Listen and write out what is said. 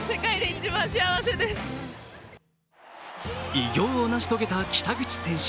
偉業を成し遂げた北口選手。